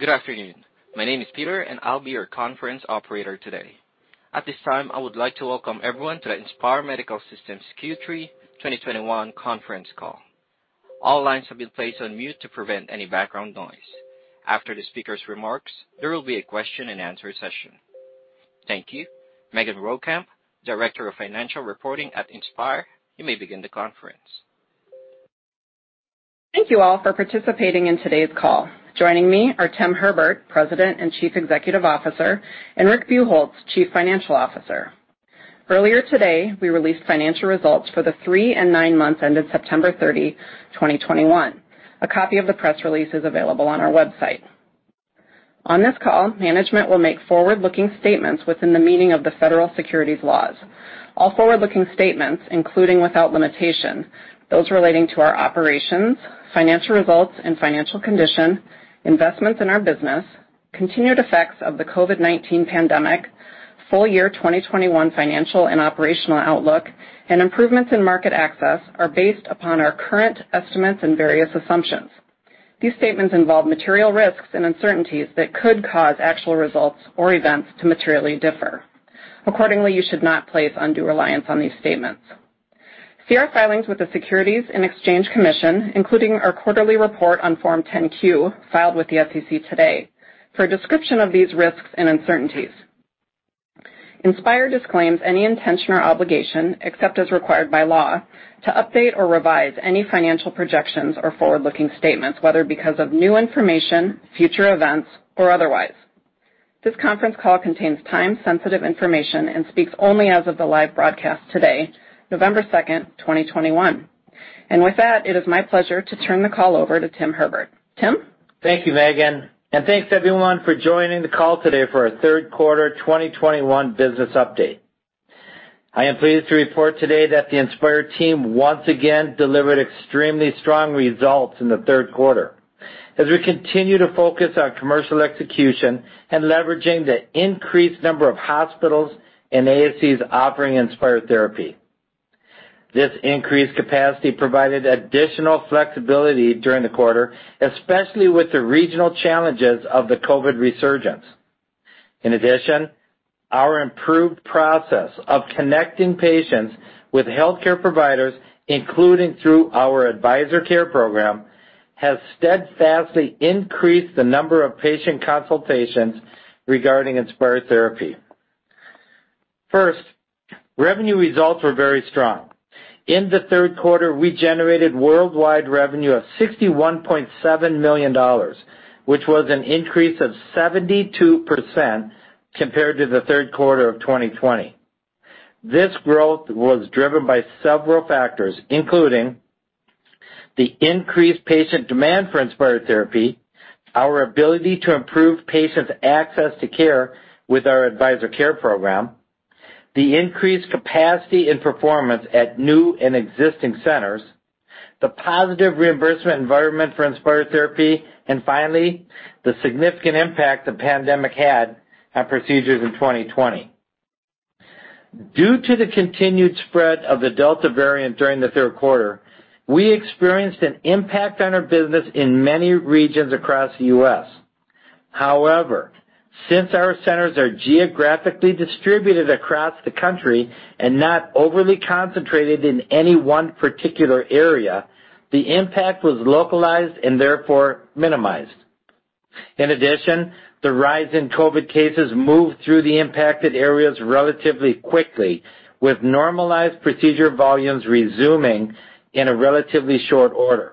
Good afternoon. My name is Peter, and I'll be your conference operator today. At this time, I would like to welcome everyone to the Inspire Medical Systems Q3 2021 Conference Call. All lines have been placed on mute to prevent any background noise. After the speaker's remarks, there will be a question-and-answer session. Thank you. Megan Rowekamp, Director of Financial Reporting at Inspire, you may begin the conference. Thank you all for participating in today's call. Joining me are Tim Herbert, President and Chief Executive Officer, and Rick Buchholz, Chief Financial Officer. Earlier today, we released financial results for the three and nine months ended September 30, 2021. A copy of the press release is available on our website. On this call, management will make forward-looking statements within the meaning of the federal securities laws. All forward-looking statements, including, without limitation, those relating to our operations, financial results and financial condition, investments in our business, continued effects of the COVID-19 pandemic, full year 2021 financial and operational outlook, and improvements in market access are based upon our current estimates and various assumptions. These statements involve material risks and uncertainties that could cause actual results or events to materially differ. Accordingly, you should not place undue reliance on these statements. See our filings with the Securities and Exchange Commission, including our quarterly report on Form 10-Q filed with the SEC today, for a description of these risks and uncertainties. Inspire disclaims any intention or obligation, except as required by law, to update or revise any financial projections or forward-looking statements, whether because of new information, future events, or otherwise. This conference call contains time-sensitive information and speaks only as of the live broadcast today, November 2, 2021. With that, it is my pleasure to turn the call over to Tim Herbert. Tim? Thank you, Megan. Thanks everyone for joining the call today for our third quarter 2021 business update. I am pleased to report today that the Inspire team once again delivered extremely strong results in the third quarter as we continue to focus on commercial execution and leveraging the increased number of hospitals and ASCs offering Inspire therapy. This increased capacity provided additional flexibility during the quarter, especially with the regional challenges of the COVID resurgence. In addition, our improved process of connecting patients with healthcare providers, including through our AdvisorCare program, has steadfastly increased the number of patient consultations regarding Inspire therapy. First, revenue results were very strong. In the third quarter, we generated worldwide revenue of $61.7 million, which was an increase of 72% compared to the third quarter of 2020. This growth was driven by several factors, including the increased patient demand for Inspire therapy, our ability to improve patients' access to care with our AdvisorCare program, the increased capacity and performance at new and existing centers, the positive reimbursement environment for Inspire therapy, and finally, the significant impact the pandemic had on procedures in 2020. Due to the continued spread of the Delta variant during the third quarter, we experienced an impact on our business in many regions across the U.S. However, since our centers are geographically distributed across the country and not overly concentrated in any one particular area, the impact was localized and therefore minimized. In addition, the rise in COVID cases moved through the impacted areas relatively quickly, with normalized procedure volumes resuming in a relatively short order.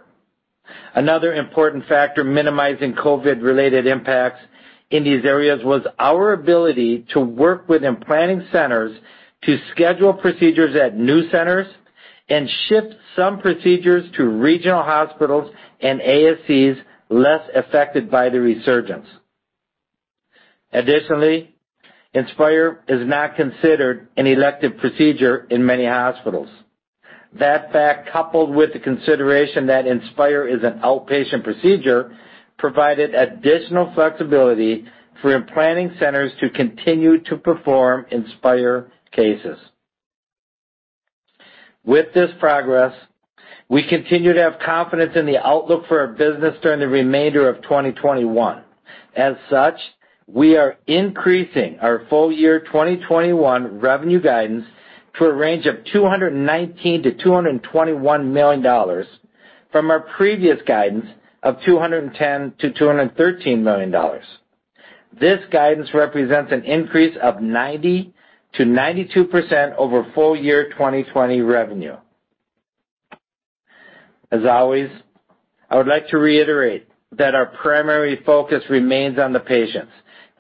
Another important factor minimizing COVID-related impacts in these areas was our ability to work with implanting centers to schedule procedures at new centers and shift some procedures to regional hospitals and ASCs less affected by the resurgence. Additionally, Inspire is not considered an elective procedure in many hospitals. That fact, coupled with the consideration that Inspire is an outpatient procedure, provided additional flexibility for implanting centers to continue to perform Inspire cases. With this progress, we continue to have confidence in the outlook for our business during the remainder of 2021. As such, we are increasing our full year 2021 revenue guidance to a range of $219 million-$221 million from our previous guidance of $210 million-$213 million. This guidance represents an increase of 90%-92% over full year 2020 revenue. As always, I would like to reiterate that our primary focus remains on the patients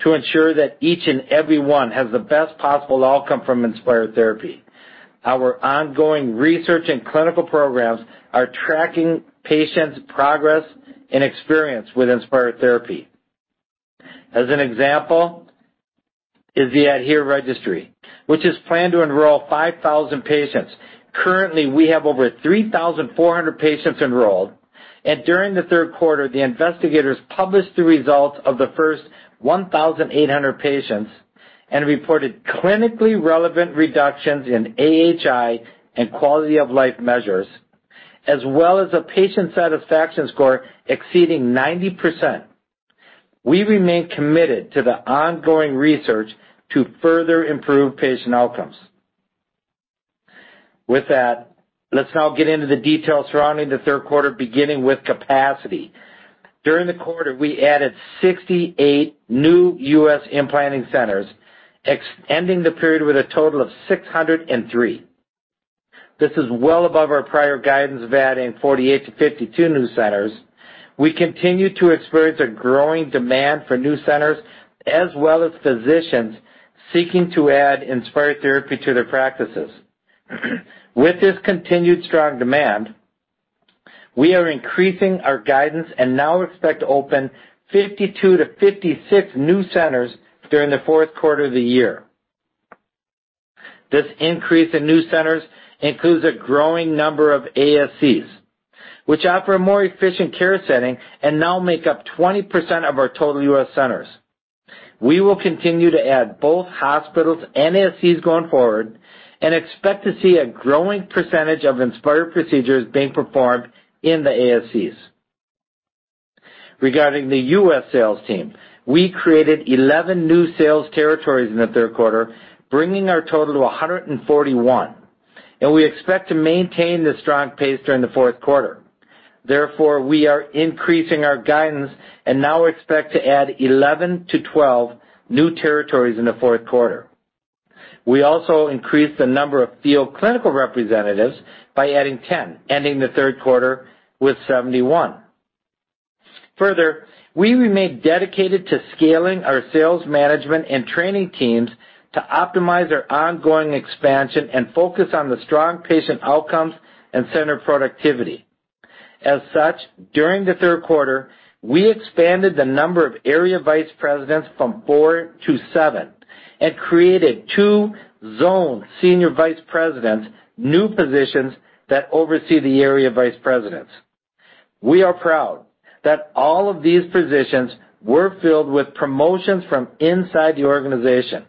to ensure that each and every one has the best possible outcome from Inspire therapy. Our ongoing research and clinical programs are tracking patients' progress and experience with Inspire therapy. As an example is the ADHERE Registry, which is planned to enroll 5,000 patients. Currently, we have over 3,400 patients enrolled. During the third quarter, the investigators published the results of the first 1,800 patients and reported clinically relevant reductions in AHI and quality of life measures, as well as a patient satisfaction score exceeding 90%. We remain committed to the ongoing research to further improve patient outcomes. With that, let's now get into the details surrounding the third quarter, beginning with capacity. During the quarter, we added 68 new U.S. implanting centers, extending the period with a total of 603. This is well above our prior guidance of adding 48-52 new centers. We continue to experience a growing demand for new centers, as well as physicians seeking to add Inspire therapy to their practices. With this continued strong demand, we are increasing our guidance and now expect to open 52-56 new centers during the fourth quarter of the year. This increase in new centers includes a growing number of ASCs, which offer a more efficient care setting and now make up 20% of our total U.S. centers. We will continue to add both hospitals and ASCs going forward and expect to see a growing percentage of Inspire procedures being performed in the ASCs. Regarding the U.S. sales team, we created 11 new sales territories in the third quarter, bringing our total to 141, and we expect to maintain this strong pace during the fourth quarter. Therefore, we are increasing our guidance and now expect to add 11-12 new territories in the fourth quarter. We also increased the number of field clinical representatives by adding 10, ending the third quarter with 71. Further, we remain dedicated to scaling our sales management and training teams to optimize our ongoing expansion and focus on the strong patient outcomes and center productivity. As such, during the third quarter, we expanded the number of area vice presidents from four to seven and created two zone senior vice presidents, new positions that oversee the area vice presidents. We are proud that all of these positions were filled with promotions from inside the organization.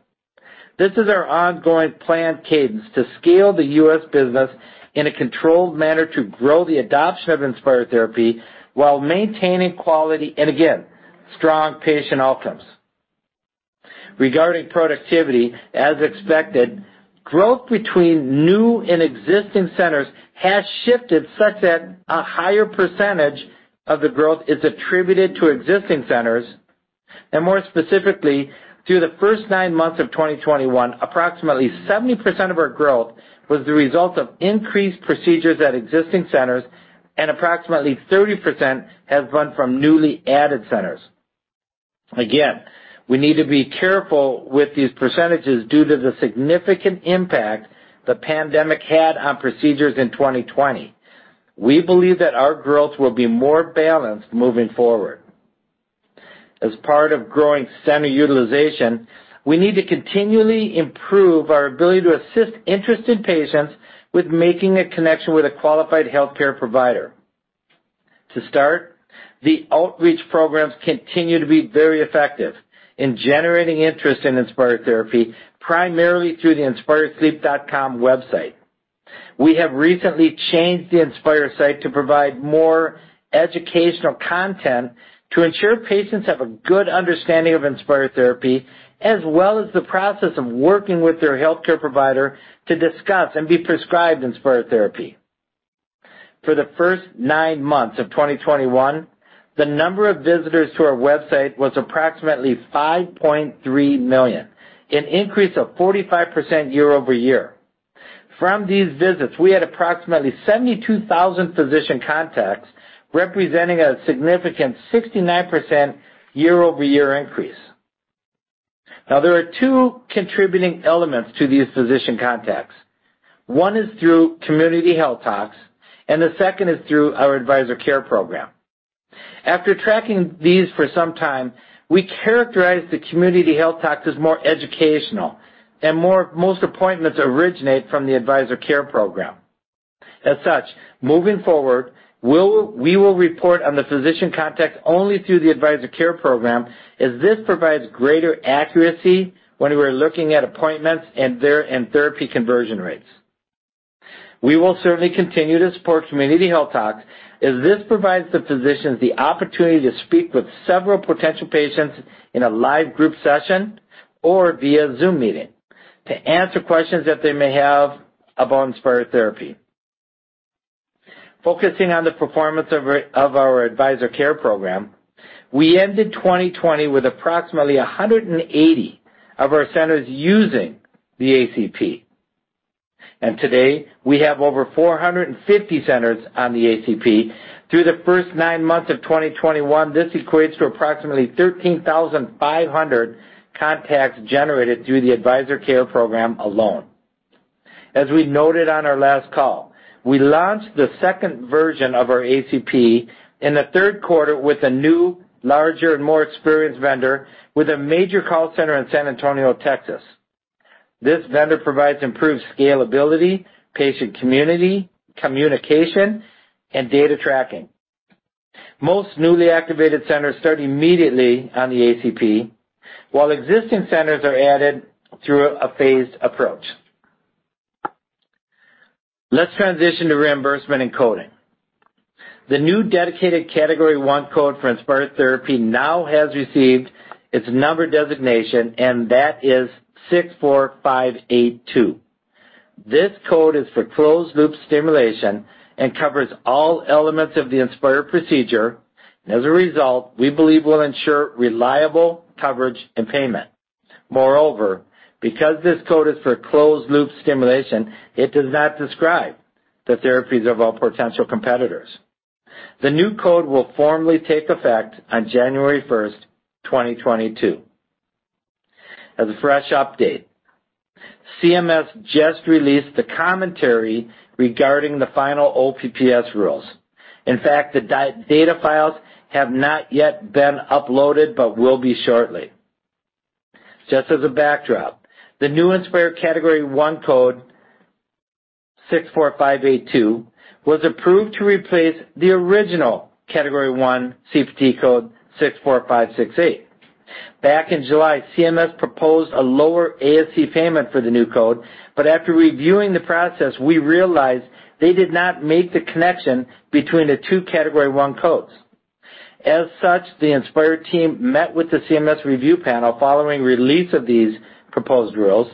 This is our ongoing plan cadence to scale the U.S. business in a controlled manner to grow the adoption of Inspire therapy while maintaining quality and again, strong patient outcomes. Regarding productivity, as expected, growth between new and existing centers has shifted such that a higher percentage of the growth is attributed to existing centers. More specifically, through the first nine months of 2021, approximately 70% of our growth was the result of increased procedures at existing centers and approximately 30% have come from newly added centers. Again, we need to be careful with these percentages due to the significant impact the pandemic had on procedures in 2020. We believe that our growth will be more balanced moving forward. As part of growing center utilization, we need to continually improve our ability to assist interested patients with making a connection with a qualified healthcare provider. To start, the outreach programs continue to be very effective in generating interest in Inspire therapy, primarily through the inspiresleep.com website. We have recently changed the Inspire site to provide more educational content to ensure patients have a good understanding of Inspire therapy as well as the process of working with their healthcare provider to discuss and be prescribed Inspire therapy. For the first nine months of 2021, the number of visitors to our website was approximately 5.3 million, an increase of 45% year-over-year. From these visits, we had approximately 72,000 physician contacts, representing a significant 69% year-over-year increase. Now, there are two contributing elements to these physician contacts. One is through Community Health Talks and the second is through our AdvisorCare program. After tracking these for some time, we characterize the Community Health Talks as more educational, and most appointments originate from the AdvisorCare. As such, moving forward, we will report on the physician contact only through the AdvisorCare, as this provides greater accuracy when we're looking at appointments and therapy conversion rates. We will certainly continue to support Community Health Talks, as this provides the physicians the opportunity to speak with several potential patients in a live group session or via Zoom meeting to answer questions that they may have about Inspire therapy. Focusing on the performance of our AdvisorCare, we ended 2020 with approximately 180 of our centers using the ACP. Today, we have over 450 centers on the ACP. Through the first nine months of 2021, this equates to approximately 13,500 contacts generated through the AdvisorCare Program alone. As we noted on our last call, we launched the second version of our ACP in the third quarter with a new, larger, and more experienced vendor with a major call center in San Antonio, Texas. This vendor provides improved scalability, patient community, communication, and data tracking. Most newly activated centers start immediately on the ACP, while existing centers are added through a phased approach. Let's transition to reimbursement and coding. The new dedicated Category I code for Inspire therapy now has received its number designation, and that is 64582. This code is for closed-loop stimulation and covers all elements of the Inspire procedure, and as a result, we believe will ensure reliable coverage and payment. Moreover, because this code is for closed-loop stimulation, it does not describe the therapies of our potential competitors. The new code will formally take effect on January 1, 2022. As a fresh update, CMS just released the commentary regarding the final OPPS rules. In fact, the data files have not yet been uploaded, but will be shortly. Just as a backdrop, the new Inspire Category I code, 64582, was approved to replace the original Category I CPT code, 64568. Back in July, CMS proposed a lower APC payment for the new code, but after reviewing the process, we realized they did not make the connection between the two Category I codes. As such, the Inspire team met with the CMS review panel following release of these proposed rules,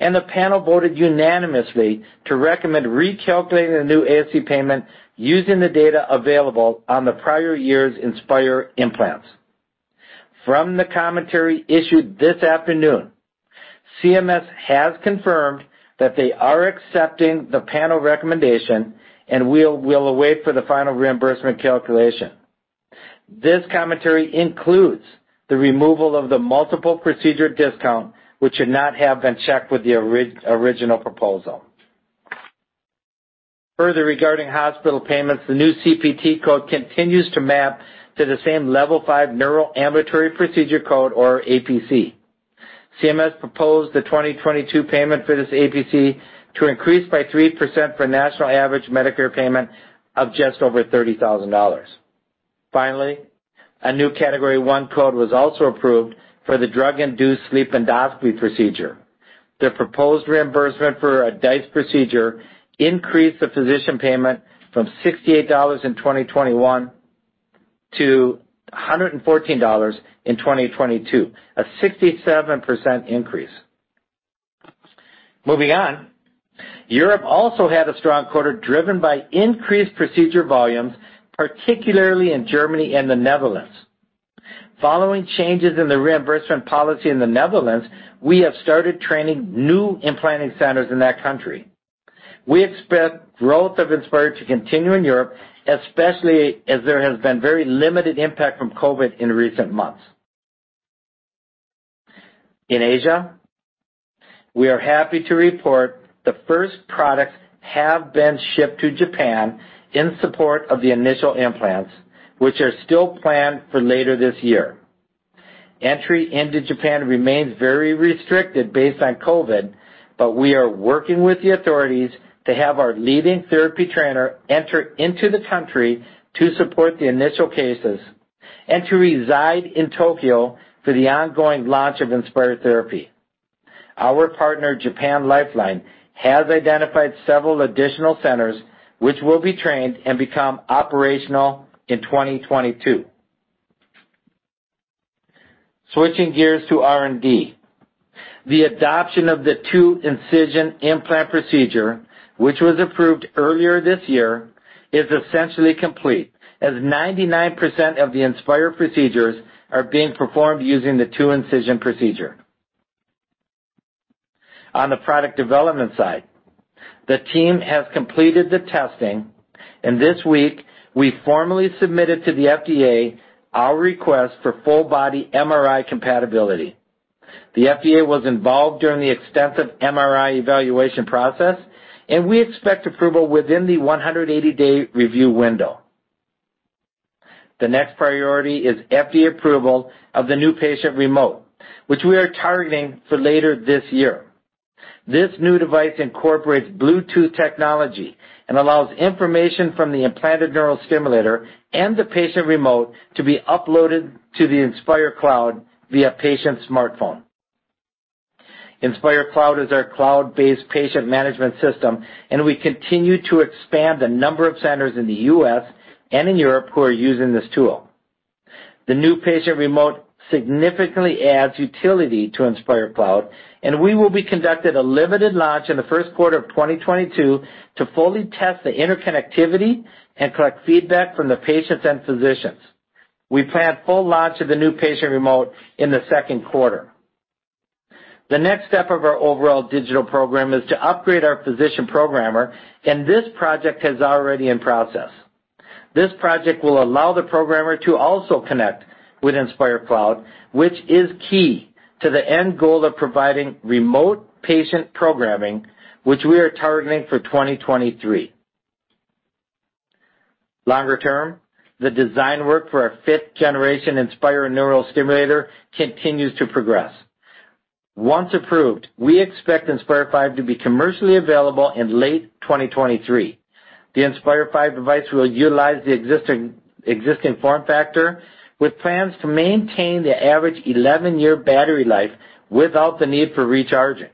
and the panel voted unanimously to recommend recalculating the new ASC payment using the data available on the prior year's Inspire implants. From the commentary issued this afternoon, CMS has confirmed that they are accepting the panel recommendation, and we'll await for the final reimbursement calculation. This commentary includes the removal of the multiple procedure discount, which should not have been checked with the original proposal. Further, regarding hospital payments, the new CPT code continues to map to the same level 5 neural ambulatory procedure code or APC. CMS proposed the 2022 payment for this APC to increase by 3% for national average Medicare payment of just over $30,000. Finally, a new Category I code was also approved for the drug-induced sleep endoscopy procedure. The proposed reimbursement for a DISE procedure increased the physician payment from $68 in 2021 to $114 in 2022, a 67% increase. Moving on. Europe also had a strong quarter, driven by increased procedure volumes, particularly in Germany and the Netherlands. Following changes in the reimbursement policy in the Netherlands, we have started training new implanting centers in that country. We expect growth of Inspire to continue in Europe, especially as there has been very limited impact from COVID in recent months. In Asia, we are happy to report the first products have been shipped to Japan in support of the initial implants, which are still planned for later this year. Entry into Japan remains very restricted based on COVID, but we are working with the authorities to have our leading therapy trainer enter into the country to support the initial cases and to reside in Tokyo for the ongoing launch of Inspire therapy. Our partner, Japan Lifeline, has identified several additional centers which will be trained and become operational in 2022. Switching gears to R&D. The adoption of the two-incision implant procedure, which was approved earlier this year, is essentially complete, as 99% of the Inspire procedures are being performed using the two-incision procedure. On the product development side, the team has completed the testing, and this week we formally submitted to the FDA our request for full body MRI compatibility. The FDA was involved during the extensive MRI evaluation process, and we expect approval within the 180 day review window. The next priority is FDA approval of the new patient remote, which we are targeting for later this year. This new device incorporates Bluetooth technology and allows information from the implanted neural stimulator and the patient remote to be uploaded to the Inspire Cloud via patient smartphone. Inspire Cloud is our cloud-based patient management system, and we continue to expand the number of centers in the U.S. and in Europe who are using this tool. The new patient remote significantly adds utility to Inspire Cloud, and we will be conducting a limited launch in the first quarter of 2022 to fully test the interconnectivity and collect feedback from the patients and physicians. We plan full launch of the new patient remote in the second quarter. The next step of our overall digital program is to upgrade our physician programmer, and this project is already in process. This project will allow the programmer to also connect with Inspire Cloud, which is key to the end goal of providing remote patient programming, which we are targeting for 2023. Longer term, the design work for our 5th generation Inspire neural stimulator continues to progress. Once approved, we expect Inspire five to be commercially available in late 2023. The Inspire five device will utilize the existing form factor with plans to maintain the average 11 year battery life without the need for recharging.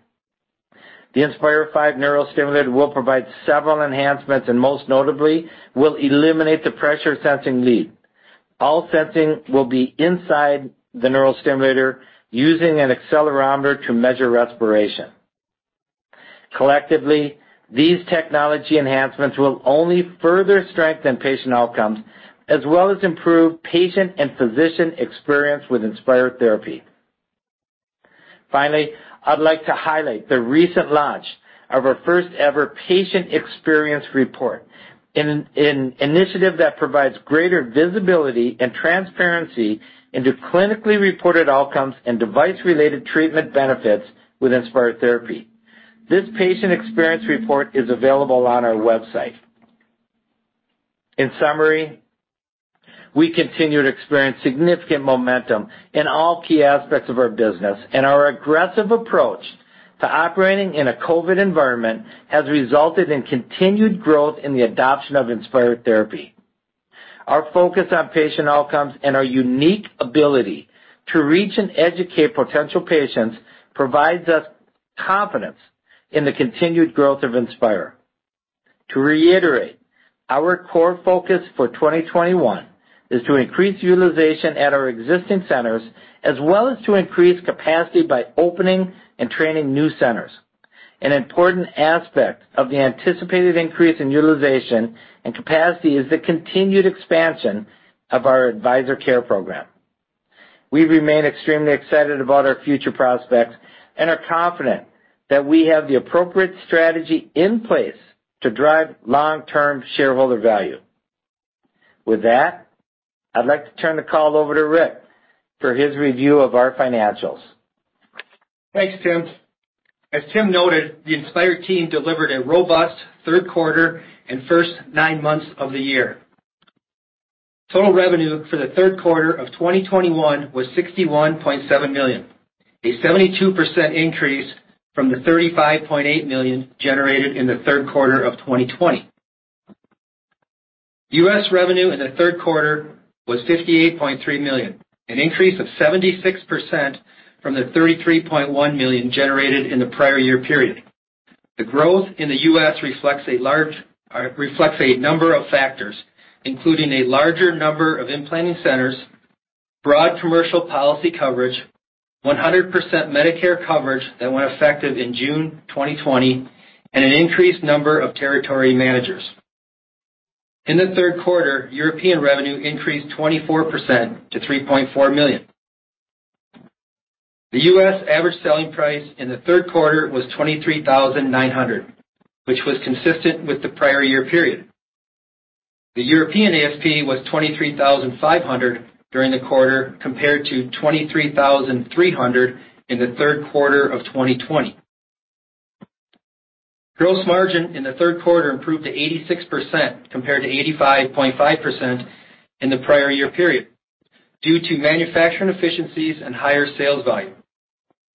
The Inspire five neural stimulator will provide several enhancements, and most notably, will eliminate the pressure-sensing lead. All sensing will be inside the neural stimulator using an accelerometer to measure respiration. Collectively, these technology enhancements will only further strengthen patient outcomes as well as improve patient and physician experience with Inspire therapy. Finally, I'd like to highlight the recent launch of our first-ever patient experience report in an initiative that provides greater visibility and transparency into clinically reported outcomes and device-related treatment benefits with Inspire therapy. This patient experience report is available on our website. In summary, we continue to experience significant momentum in all key aspects of our business, and our aggressive approach to operating in a COVID environment has resulted in continued growth in the adoption of Inspire therapy. Our focus on patient outcomes and our unique ability to reach and educate potential patients provides us confidence in the continued growth of Inspire. To reiterate, our core focus for 2021 is to increase utilization at our existing centers as well as to increase capacity by opening and training new centers. An important aspect of the anticipated increase in utilization and capacity is the continued expansion of our AdvisorCare program. We remain extremely excited about our future prospects and are confident that we have the appropriate strategy in place to drive long-term shareholder value. With that, I'd like to turn the call over to Rick for his review of our financials. Thanks, Tim. As Tim noted, the Inspire team delivered a robust third quarter and first nine months of the year. Total revenue for the third quarter of 2021 was $61.7 million, a 72% increase from the $35.8 million generated in the third quarter of 2020. U.S. revenue in the third quarter was $58.3 million, an increase of 76% from the $33.1 million generated in the prior year period. The growth in the U.S. reflects a number of factors, including a larger number of implanting centers, broad commercial policy coverage, 100% Medicare coverage that went effective in June 2020, and an increased number of territory managers. In the third quarter, European revenue increased 24% to $3.4 million. The U.S. average selling price in the third quarter was $23,900, which was consistent with the prior year period. The European ASP was $23,500 during the quarter compared to $23,300 in the third quarter of 2020. Gross margin in the third quarter improved to 86% compared to 85.5% in the prior year period due to manufacturing efficiencies and higher sales volume.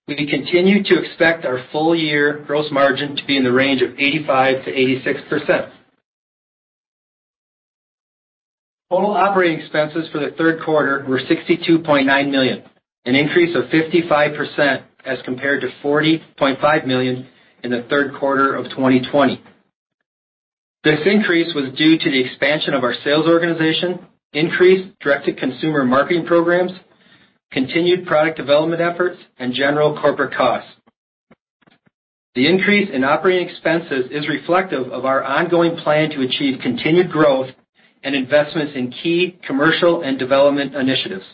We continue to expect our full-year gross margin to be in the range of 85%-86%. Total operating expenses for the third quarter were $62.9 million, an increase of 55% as compared to $40.5 million in the third quarter of 2020. This increase was due to the expansion of our sales organization, increased direct-to-consumer marketing programs, continued product development efforts, and general corporate costs. The increase in operating expenses is reflective of our ongoing plan to achieve continued growth and investments in key commercial and development initiatives.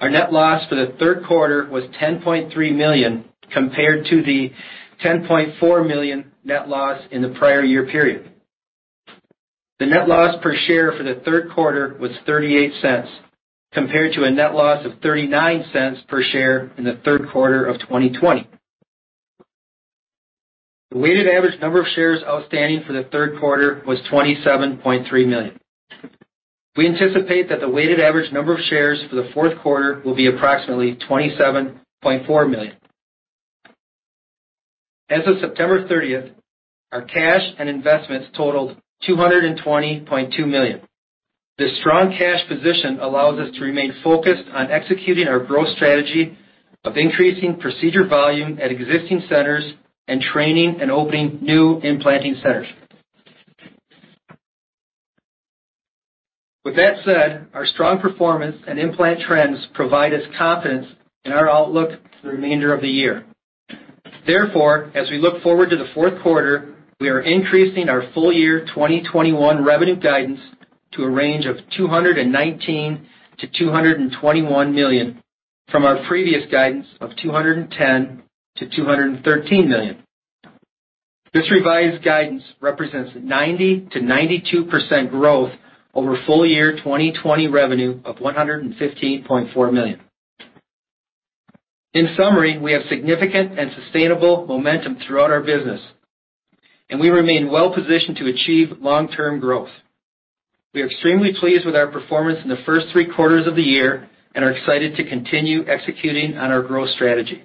Our net loss for the third quarter was $10.3 million compared to the $10.4 million net loss in the prior year period. The net loss per share for the third quarter was $0.38 compared to a net loss of $0.39 per share in the third quarter of 2020. The weighted average number of shares outstanding for the third quarter was 27.3 million. We anticipate that the weighted average number of shares for the fourth quarter will be approximately 27.4 million. As of September 30th, our cash and investments totaled $220.2 million. This strong cash position allows us to remain focused on executing our growth strategy of increasing procedure volume at existing centers and training and opening new implanting centers. With that said, our strong performance and implant trends provide us confidence in our outlook for the remainder of the year. Therefore, as we look forward to the fourth quarter, we are increasing our full year 2021 revenue guidance to a range of $219 million-$221 million from our previous guidance of $210 million-$213 million. This revised guidance represents 90%-92% growth over full year 2020 revenue of $115.4 million. In summary, we have significant and sustainable momentum throughout our business. We remain well positioned to achieve long-term growth. We are extremely pleased with our performance in the first three quarters of the year and are excited to continue executing on our growth strategy.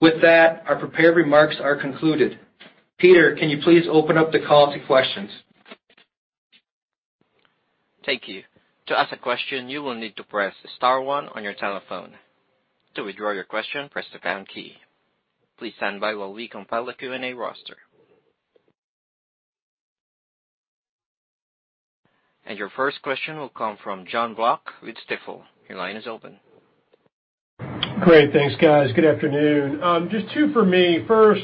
With that, our prepared remarks are concluded. Peter, can you please open up the call to questions? Thank you. To ask a question, you will need to press star one on your telephone. To withdraw your question, press the pound key. Please stand by while we compile the Q&A roster. Your first question will come from Jon Block with Stifel. Your line is open. Great. Thanks, guys. Good afternoon. Just two for me. First,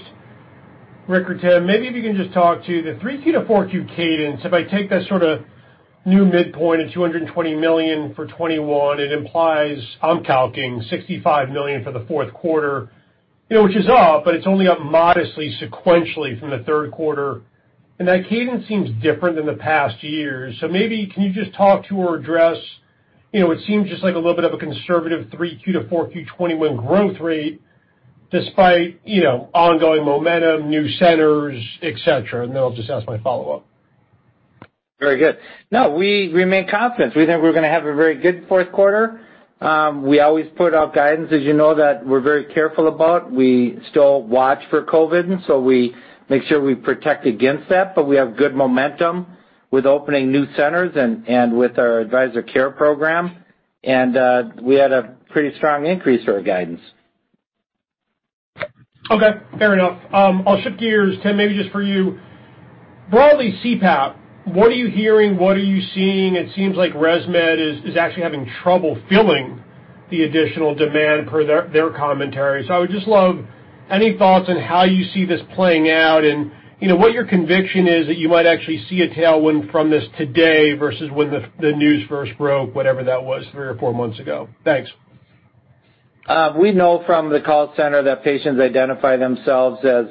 Rick or Tim, maybe if you can just talk to the 3Q-4Q cadence. If I take that sort of new midpoint of $220 million for 2021, it implies, I'm calculating $65 million for the fourth quarter, you know, which is up, but it's only up modestly sequentially from the third quarter. That cadence seems different than the past years. Maybe can you just talk to or address, you know, it seems just like a little bit of a conservative 3Q-4Q 2021 growth rate despite, you know, ongoing momentum, new centers, etc, and then I'll just ask my follow-up. Very good. No, we remain confident. We think we're gonna have a very good fourth quarter. We always put out guidance, as you know, that we're very careful about. We still watch for COVID, and so we make sure we protect against that. We have good momentum with opening new centers and with our AdvisorCare program. We had a pretty strong increase for our guidance. Okay, fair enough. I'll shift gears, Tim, maybe just for you. Broadly, CPAP, what are you hearing? What are you seeing? It seems like ResMed is actually having trouble filling the additional demand per their commentary. I would just love any thoughts on how you see this playing out and, you know, what your conviction is that you might actually see a tailwind from this today versus when the news first broke, whatever that was, three or four months ago. Thanks. We know from the call center that patients identify themselves as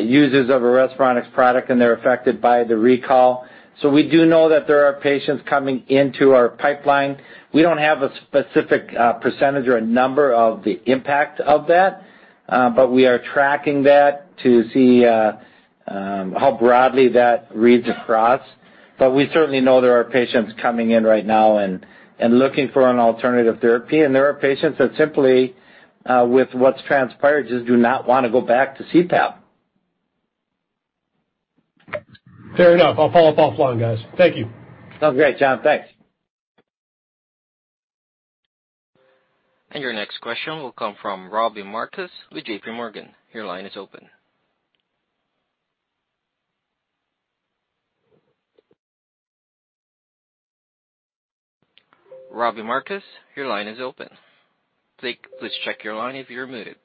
users of a Respironics product, and they're affected by the recall. We do know that there are patients coming into our pipeline. We don't have a specific percentage or a number of the impact of that, but we are tracking that to see how broadly that reads across. We certainly know there are patients coming in right now and looking for an alternative therapy. There are patients that simply, with what's transpired, just do not wanna go back to CPAP. Fair enough. I'll follow up offline, guys. Thank you. Sounds great, John. Thanks. Your next question will come from Robbie Marcus with JPMorgan. Your line is open. Robbie Marcus, your line is open. Please check your line if you're muted.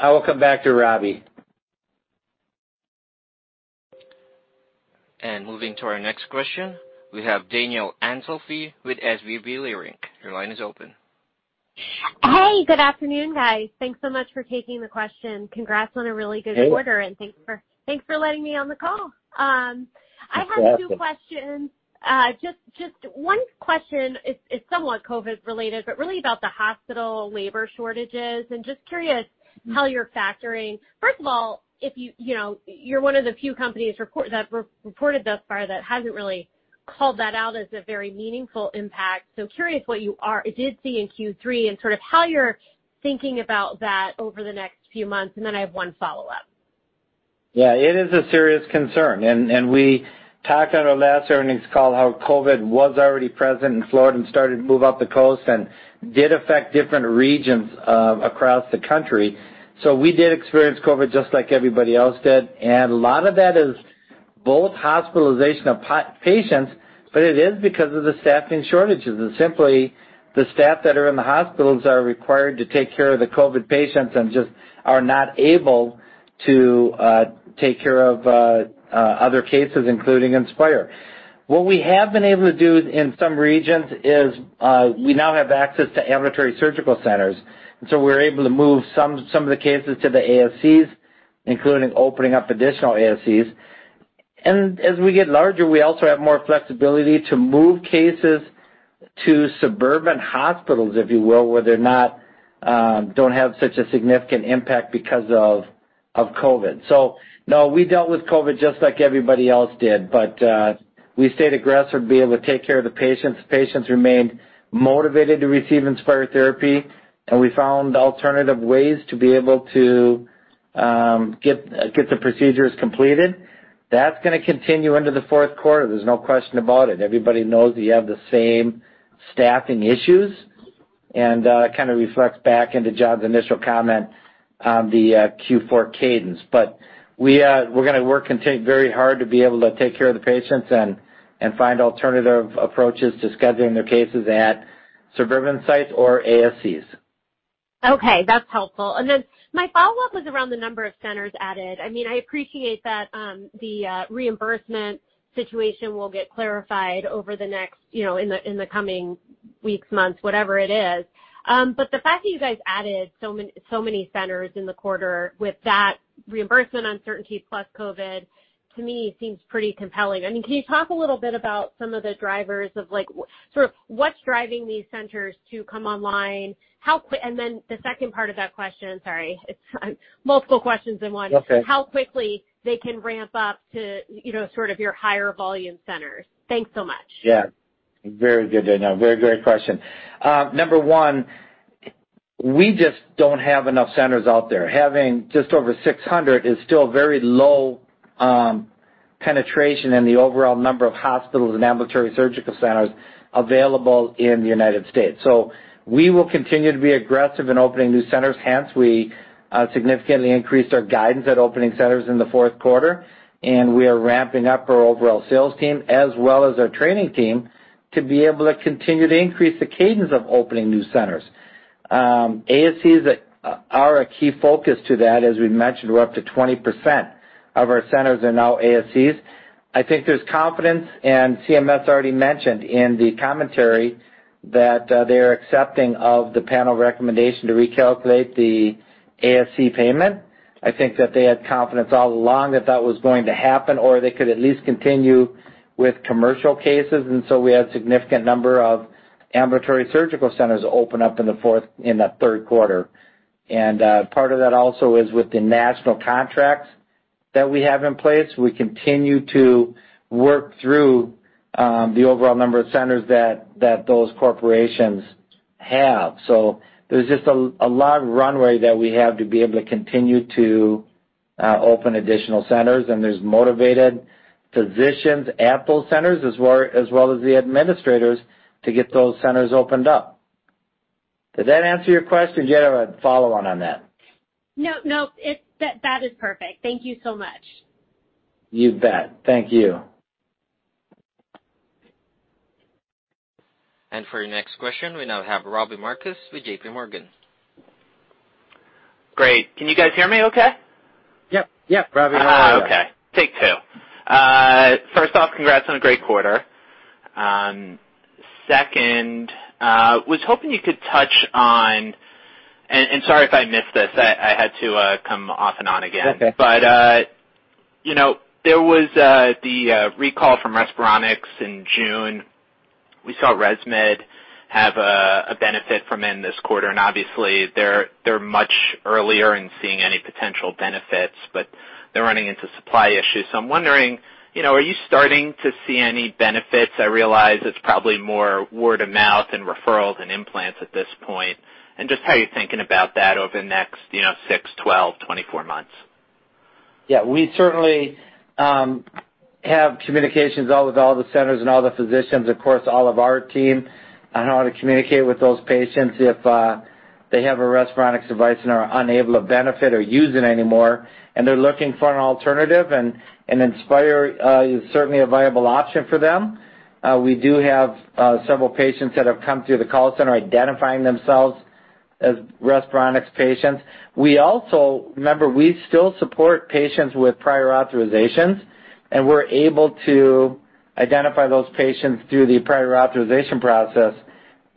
I will come back to Robbie. Moving to our next question, we have Danielle Antalffy with SVB Leerink. Your line is open. Hey, good afternoon, guys. Thanks so much for taking the question. Congrats on a really good quarter. Hey... and thanks for letting me on the call. I have two questions. Just one question is somewhat COVID-related, but really about the hospital labor shortages and just curious how you're factoring. First of all, you're one of the few companies that re-reported thus far that hasn't really called that out as a very meaningful impact. So curious what you did see in Q3 and sort of how you're thinking about that over the next few months. Then I have one follow-up. Yeah, it is a serious concern. We talked on our last earnings call how COVID was already present in Florida and started to move up the coast and did affect different regions across the country. We did experience COVID just like everybody else did, and a lot of that is both hospitalization of patients, but it is because of the staffing shortages. Simply the staff that are in the hospitals are required to take care of the COVID patients and just are not able to take care of other cases, including Inspire. What we have been able to do in some regions is we now have access to ambulatory surgical centers, and so we're able to move some of the cases to the ASCs, including opening up additional ASCs. As we get larger, we also have more flexibility to move cases to suburban hospitals, if you will, where they don't have such a significant impact because of COVID. No, we dealt with COVID just like everybody else did, but we stayed aggressive to be able to take care of the patients. Patients remained motivated to receive Inspire therapy, and we found alternative ways to be able to get the procedures completed. That's gonna continue into the fourth quarter, there's no question about it. Everybody knows that you have the same staffing issues, and it kind of reflects back into John's initial comment on the Q4 cadence. We are gonna work very hard to be able to take care of the patients and find alternative approaches to scheduling their cases at suburban sites or ASCs. Okay, that's helpful. My follow-up was around the number of centers added. I mean, I appreciate that the reimbursement situation will get clarified over the next, you know, in the coming weeks, months, whatever it is. The fact that you guys added so many centers in the quarter with that reimbursement uncertainty plus COVID, to me seems pretty compelling. I mean, can you talk a little bit about some of the drivers of, like, sort of what's driving these centers to come online? The second part of that question, sorry, it's multiple questions in one. That's okay. How quickly they can ramp up to, you know, sort of your higher volume centers. Thanks so much. Yeah. Very good, Danielle. Very great question. Number one, we just don't have enough centers out there. Having just over 600 is still very low penetration in the overall number of hospitals and ambulatory surgical centers available in the United States. We will continue to be aggressive in opening new centers, hence we significantly increased our guidance at opening centers in the fourth quarter, and we are ramping up our overall sales team as well as our training team to be able to continue to increase the cadence of opening new centers. ASCs are a key focus to that. As we mentioned, we're up to 20% of our centers are now ASCs. I think there's confidence, and CMS already mentioned in the commentary that they're accepting of the panel recommendation to recalculate the ASC payment. I think that they had confidence all along that that was going to happen, or they could at least continue with commercial cases. We had a significant number of ambulatory surgical centers open up in the third quarter. Part of that also is with the national contracts that we have in place. We continue to work through the overall number of centers that those corporations have. There's just a lot of runway that we have to be able to continue to open additional centers, and there's motivated physicians at those centers as well as the administrators to get those centers opened up. Did that answer your question or do you have a follow-on on that? No, no. That is perfect. Thank you so much. You bet. Thank you. For your next question, we now have Robbie Marcus with JPMorgan. Great. Can you guys hear me okay? Yep, yep. Robbie, loud and clear. Okay. Take two. First off, congrats on a great quarter. Second, was hoping you could touch on, and sorry if I missed this, I had to come off and on again. It's okay. You know, there was the recall from Respironics in June. We saw ResMed have a benefit from it in this quarter, and obviously they're much earlier in seeing any potential benefits, but they're running into supply issues. I'm wondering, you know, are you starting to see any benefits? I realize it's probably more word of mouth and referrals and implants at this point, and just how you're thinking about that over the next, you know, 6, 12, 24 months. Yeah, we certainly have communications all with all the centers and all the physicians, of course, all of our team on how to communicate with those patients if they have a Respironics device and are unable to benefit or use it anymore and they're looking for an alternative, and Inspire is certainly a viable option for them. We do have several patients that have come through the call center identifying themselves as Respironics patients. We also remember, we still support patients with prior authorizations, and we're able to identify those patients through the prior authorization process,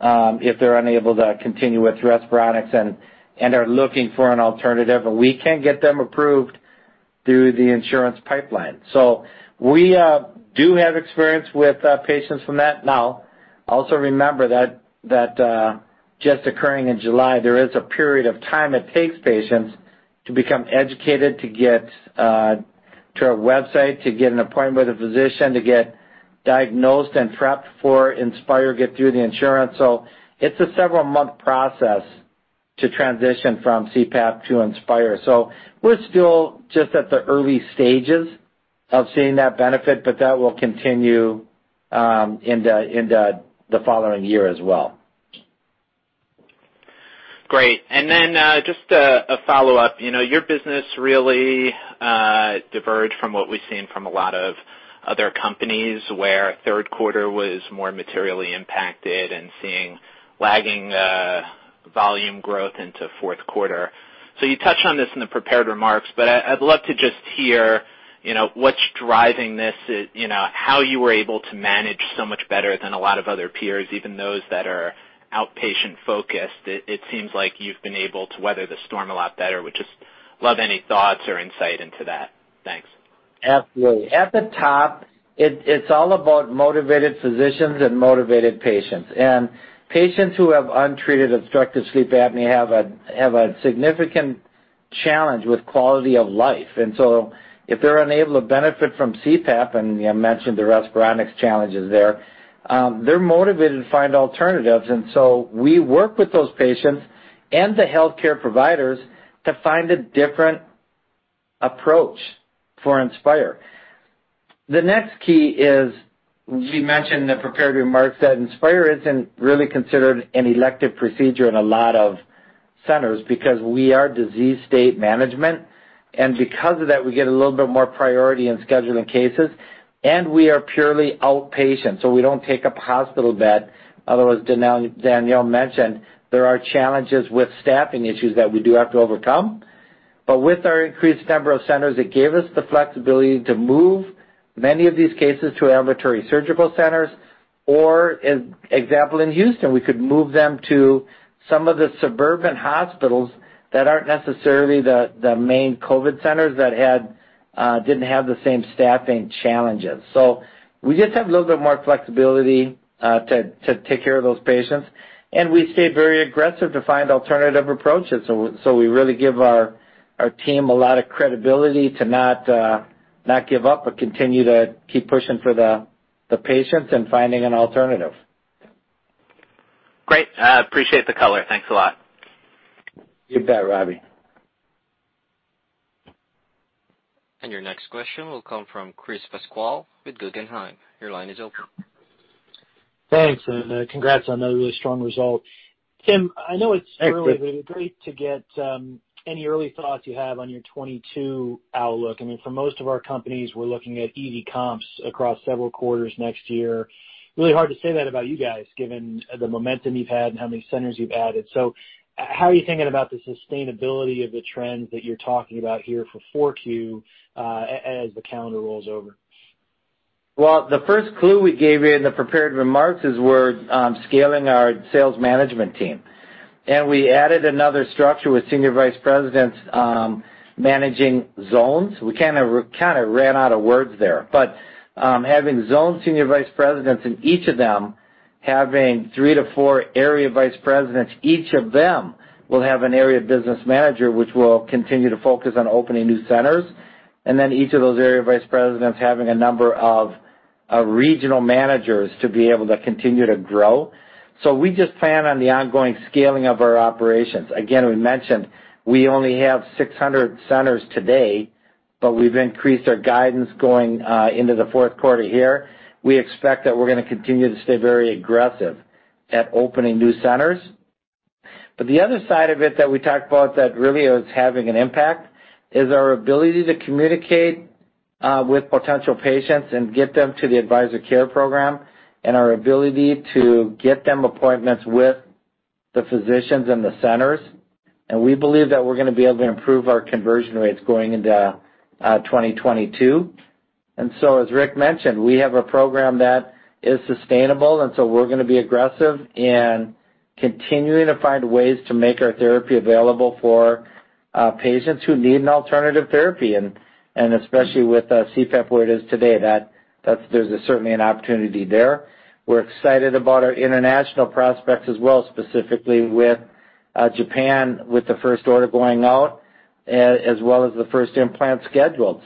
if they're unable to continue with Respironics and are looking for an alternative. We can get them approved through the insurance pipeline. We do have experience with patients from that now. Also remember that just occurring in July, there is a period of time it takes patients to become educated, to get to our website, to get an appointment with a physician, to get diagnosed and prepped for Inspire, get through the insurance. It's a several-month process to transition from CPAP to Inspire. We're still just at the early stages of seeing that benefit, but that will continue in the following year as well. Great. Just a follow-up. You know, your business really diverged from what we've seen from a lot of other companies where third quarter was more materially impacted and seeing lagging volume growth into fourth quarter. You touched on this in the prepared remarks, but I'd love to just hear, you know, what's driving this, you know, how you were able to manage so much better than a lot of other peers, even those that are outpatient-focused. It seems like you've been able to weather the storm a lot better. Would just love any thoughts or insight into that. Thanks. Absolutely. At the top of it's all about motivated physicians and motivated patients. Patients who have untreated obstructive sleep apnea have a significant challenge with quality of life. If they're unable to benefit from CPAP, and you mentioned the Respironics challenges there, they're motivated to find alternatives. We work with those patients and the healthcare providers to find a different approach for Inspire. The next key is we mentioned in the prepared remarks that Inspire isn't really considered an elective procedure in a lot of centers because we are disease state management. Because of that, we get a little bit more priority in scheduling cases. We are purely outpatient, so we don't take up hospital bed. Otherwise, Danielle mentioned there are challenges with staffing issues that we do have to overcome. With our increased number of centers, it gave us the flexibility to move many of these cases to ambulatory surgical centers, for example, in Houston, we could move them to some of the suburban hospitals that aren't necessarily the main COVID centers that didn't have the same staffing challenges. We just have a little bit more flexibility to take care of those patients. We stay very aggressive to find alternative approaches, so we really give our team a lot of credibility to not give up, but continue to keep pushing for the patients and finding an alternative. Great. I appreciate the color. Thanks a lot. You bet, Robbie. Your next question will come from Chris Pasquale with Guggenheim. Your line is open. Thanks, and, congrats on another really strong result. Tim, I know it's. Thanks, Chris. early, but it'd be great to get any early thoughts you have on your 2022 outlook. I mean, for most of our companies, we're looking at easy comps across several quarters next year. Really hard to say that about you guys, given the momentum you've had and how many centers you've added. How are you thinking about the sustainability of the trends that you're talking about here for 4Q, as the calendar rolls over? Well, the first clue we gave you in the prepared remarks is we're scaling our sales management team. We added another structure with senior vice presidents managing zones. We kinda ran out of words there. Having zone senior vice presidents, and each of them having 3-4 area vice presidents, each of them will have an area business manager which will continue to focus on opening new centers, and then each of those area vice presidents having a number of regional managers to be able to continue to grow. We just plan on the ongoing scaling of our operations. Again, we mentioned we only have 600 centers today, but we've increased our guidance going into the fourth quarter here. We expect that we're gonna continue to stay very aggressive at opening new centers. The other side of it that we talked about that really is having an impact is our ability to communicate with potential patients and get them to the AdvisorCare program and our ability to get them appointments with the physicians in the centers. We believe that we're gonna be able to improve our conversion rates going into 2022. As Rick mentioned, we have a program that is sustainable, and we're gonna be aggressive in continuing to find ways to make our therapy available for patients who need an alternative therapy, and especially with CPAP where it is today, that there's certainly an opportunity there. We're excited about our international prospects as well, specifically with Japan with the first order going out, as well as the first implant scheduled.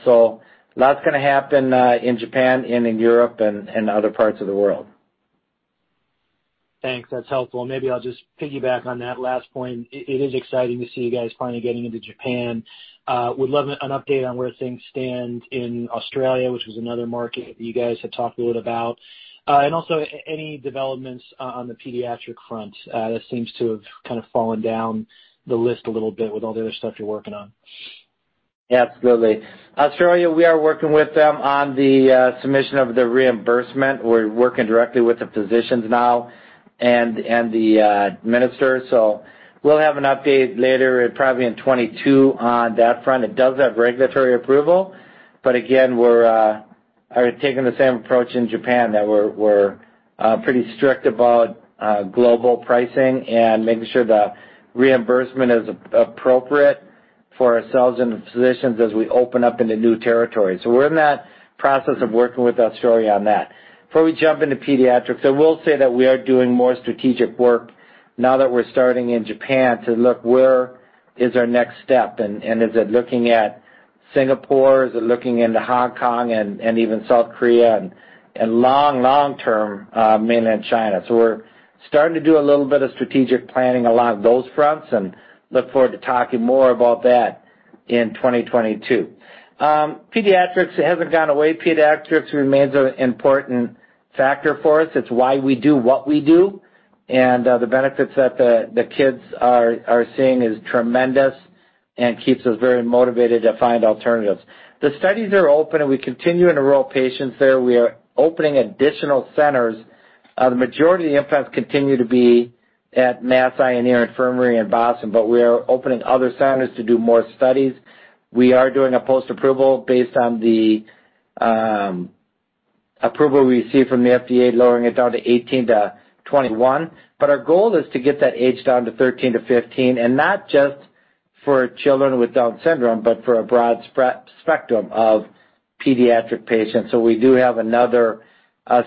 Lots gonna happen in Japan and in Europe and other parts of the world. Thanks. That's helpful. Maybe I'll just piggyback on that last point. It is exciting to see you guys finally getting into Japan. Would love an update on where things stand in Australia, which was another market that you guys had talked a little about. Also any developments on the pediatric front. That seems to have kind of fallen down the list a little bit with all the other stuff you're working on. Absolutely. Australia, we are working with them on the submission of the reimbursement. We're working directly with the physicians now and the minister. We'll have an update later, probably in 2022 on that front. It does have regulatory approval, but again, we're taking the same approach in Japan that we're pretty strict about global pricing and making sure the reimbursement is appropriate for ourselves and the physicians as we open up into new territories. We're in that process of working with Australia on that. Before we jump into pediatrics, I will say that we are doing more strategic work now that we're starting in Japan to look where is our next step, and is it looking at Singapore? Is it looking into Hong Kong and even South Korea? And long term, Mainland China. We're starting to do a little bit of strategic planning along those fronts and look forward to talking more about that in 2022. Pediatrics hasn't gone away. Pediatrics remains an important factor for us. It's why we do what we do, and the benefits that the kids are seeing is tremendous and keeps us very motivated to find alternatives. The studies are open, and we continue to enroll patients there. We are opening additional centers. The majority of the implants continue to be at Massachusetts Eye and Ear in Boston, but we are opening other centers to do more studies. We are doing a post-approval based on the approval we received from the FDA, lowering it down to 18-21. Our goal is to get that age down to 13-15, and not just for children with Down syndrome, but for a broad spectrum of pediatric patients. We do have another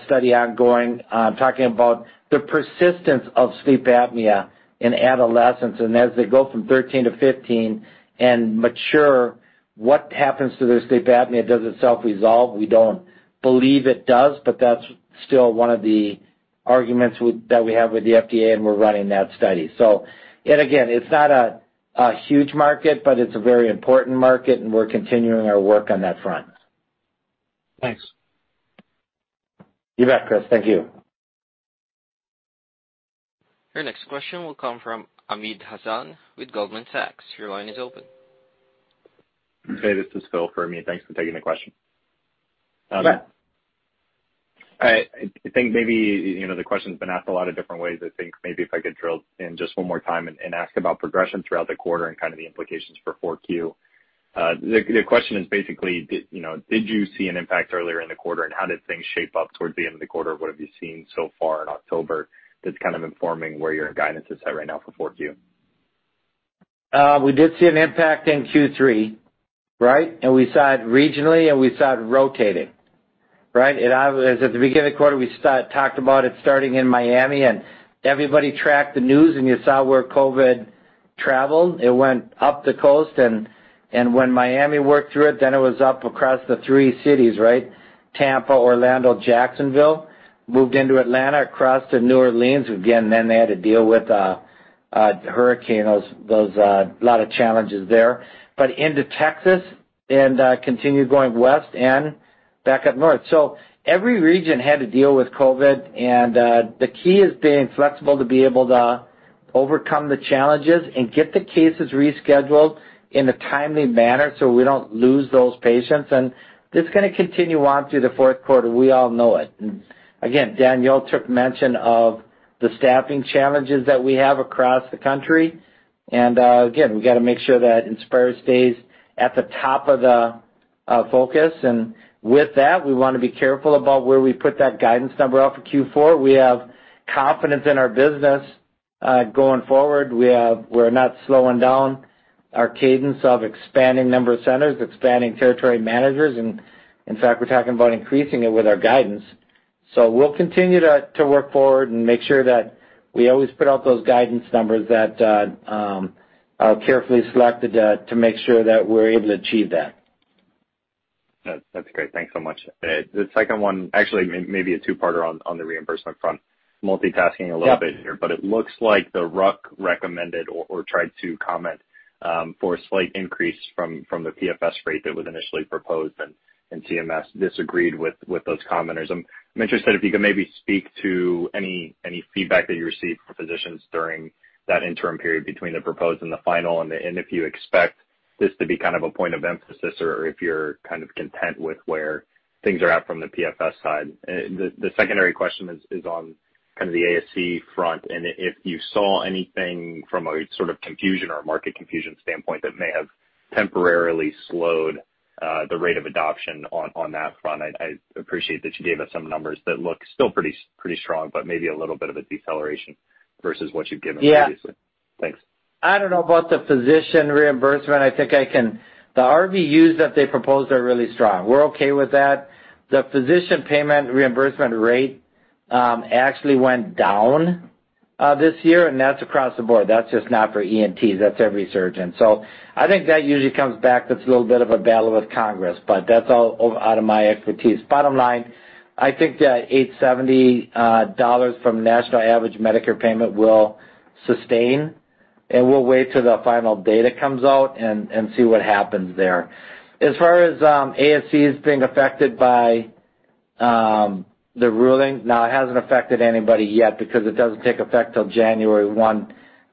study ongoing, talking about the persistence of sleep apnea in adolescents, and as they go from 13-15 and mature, what happens to their sleep apnea? Does it self-resolve? We don't believe it does, but that's still one of the arguments that we have with the FDA, and we're running that study. Again, it's not a huge market, but it's a very important market, and we're continuing our work on that front. Thanks. You bet, Chris. Thank you. Your next question will come from Amit Hazan with Goldman Sachs. Your line is open. Hey, this is Phil for Amit. Thanks for taking the question. Yeah I think maybe, you know, the question's been asked a lot of different ways. I think maybe if I could drill in just one more time and ask about progression throughout the quarter and kind of the implications for Q4. The question is basically did you see an impact earlier in the quarter, and how did things shape up towards the end of the quarter? What have you seen so far in October that's kind of informing where your guidance is at right now for Q4? We did see an impact in Q3, right? We saw it regionally, and we saw it rotating, right? It was obvious at the beginning of the quarter. We talked about it starting in Miami, and everybody tracked the news, and you saw where COVID traveled. It went up the coast, and when Miami worked through it, then it was up across the three cities, right? Tampa, Orlando, Jacksonville, moved into Atlanta, across to New Orleans. Again, they had to deal with a hurricane. There was a lot of challenges there. But it went into Texas and continued going west and back up north. Every region had to deal with COVID, and the key is being flexible to be able to overcome the challenges and get the cases rescheduled in a timely manner so we don't lose those patients. It's gonna continue on through the fourth quarter. We all know it. Again, Danielle mentioned the staffing challenges that we have across the country. Again, we gotta make sure that Inspire stays at the top of the focus. With that, we wanna be careful about where we put that guidance number out for Q4. We have confidence in our business going forward. We're not slowing down our cadence of expanding number of centers, expanding territory managers, and in fact, we're talking about increasing it with our guidance. We'll continue to work forward and make sure that we always put out those guidance numbers that are carefully selected to make sure that we're able to achieve that. That's great. Thanks so much. The second one. Actually, maybe a two-parter on the reimbursement front. Multitasking a little bit here. Yeah. It looks like the RUC recommended or tried to comment for a slight increase from the PFS rate that was initially proposed, and CMS disagreed with those commenters. I'm interested if you could maybe speak to any feedback that you received from physicians during that interim period between the proposed and the final, and if you expect this to be kind of a point of emphasis or if you're kind of content with where things are at from the PFS side. The secondary question is on kind of the ASC front and if you saw anything from a sort of confusion or a market confusion standpoint that may have temporarily slowed the rate of adoption on that front. I appreciate that you gave us some numbers that look still pretty strong, but maybe a little bit of a deceleration versus what you've given previously. Yeah. Thanks. I don't know about the physician reimbursement. The RVUs that they proposed are really strong. We're okay with that. The physician payment reimbursement rate, actually went down, this year, and that's across the board. That's just not for ENTs, that's every surgeon. I think that usually comes back. That's a little bit of a battle with Congress, but that's all over out of my expertise. Bottom line, I think that $870 national average Medicare payment will sustain, and we'll wait till the final data comes out and see what happens there. As far as, ASCs being affected by, the ruling, no, it hasn't affected anybody yet because it doesn't take effect till January 1,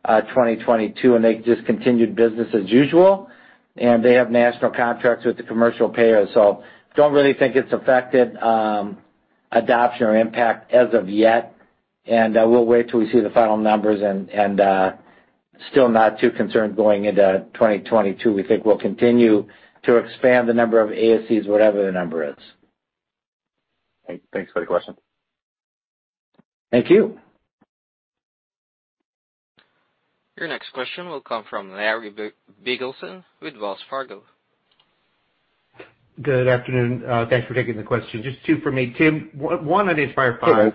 2022, and they just continued business as usual. They have national contracts with the commercial payers, so don't really think it's affected adoption or impact as of yet. We'll wait till we see the final numbers and still not too concerned going into 2022. We think we'll continue to expand the number of ASCs, whatever the number is. Okay. Thanks for the question. Thank you. Your next question will come from Larry Biegelsen with Wells Fargo. Good afternoon. Thanks for taking the question. Just two for me. Tim, one on Inspire V.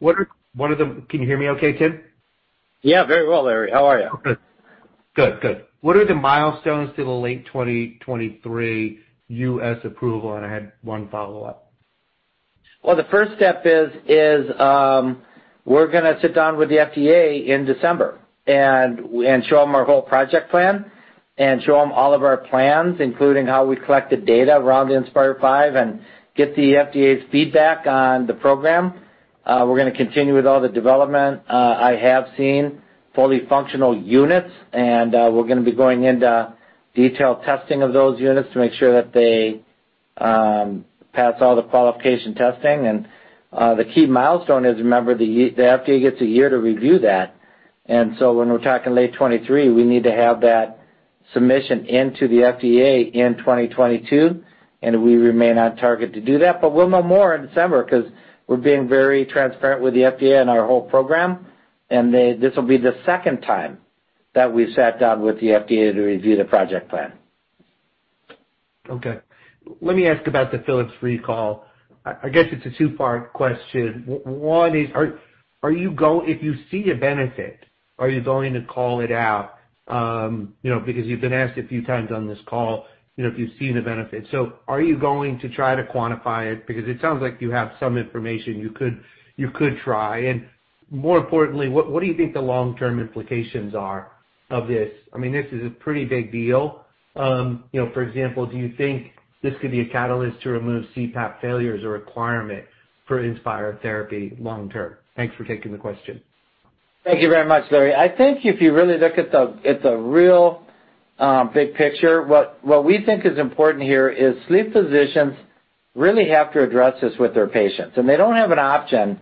Hello. Can you hear me okay, Tim? Yeah, very well, Larry. How are you? Good. What are the milestones to the late 2023 U.S. approval? I had one follow-up. Well, the first step is we're gonna sit down with the FDA in December and show them our whole project plan and show them all of our plans, including how we collected data around the Inspire V and get the FDA's feedback on the program. We're gonna continue with all the development. I have seen fully functional units, and we're gonna be going into detailed testing of those units to make sure that they pass all the qualification testing. The key milestone is, remember, the FDA gets a year to review that. When we're talking late 2023, we need to have that submission into the FDA in 2022, and we remain on target to do that. We'll know more in December 'cause we're being very transparent with the FDA and our whole program. This will be the second time that we've sat down with the FDA to review the project plan. Okay. Let me ask about the Philips recall. I guess it's a two-part question. One is, if you see a benefit, are you going to call it out? You know, because you've been asked a few times on this call, you know, if you've seen the benefit. Are you going to try to quantify it? Because it sounds like you have some information you could try. More importantly, what do you think the long-term implications are of this? I mean, this is a pretty big deal. You know, for example, do you think this could be a catalyst to remove CPAP failure as a requirement for Inspire therapy long term? Thanks for taking the question. Thank you very much, Larry. I think if you really look at the real big picture. What we think is important here is sleep physicians really have to address this with their patients, and they don't have an option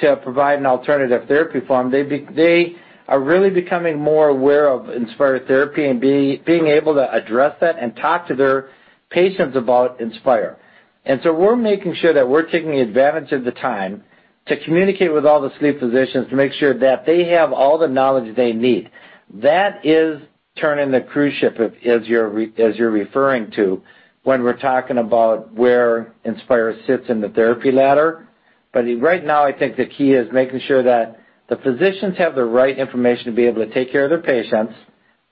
to provide an alternative therapy for them. They are really becoming more aware of Inspire therapy and being able to address that and talk to their patients about Inspire. We're making sure that we're taking advantage of the time to communicate with all the sleep physicians to make sure that they have all the knowledge they need. That is turning the cruise ship, as you're referring to, when we're talking about where Inspire sits in the therapy ladder. Right now, I think the key is making sure that the physicians have the right information to be able to take care of their patients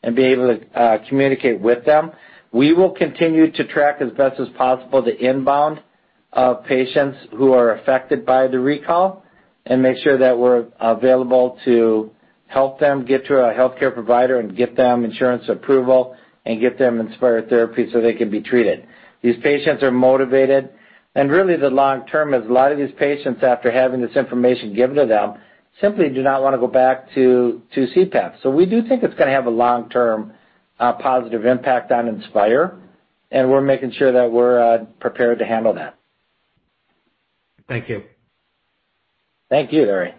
and be able to communicate with them. We will continue to track as best as possible the inbound of patients who are affected by the recall and make sure that we're available to help them get to a healthcare provider and get them insurance approval and get them Inspire therapy so they can be treated. These patients are motivated. Really, the long term is a lot of these patients, after having this information given to them, simply do not wanna go back to CPAP. We do think it's gonna have a long-term, positive impact on Inspire, and we're making sure that we're prepared to handle that. Thank you. Thank you, Larry.